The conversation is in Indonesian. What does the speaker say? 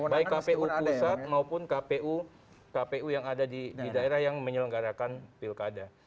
baik kpu pusat maupun kpu kpu yang ada di daerah yang menyelenggarakan pilkada